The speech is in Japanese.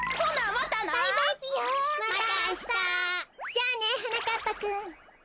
じゃあねはなかっぱくん。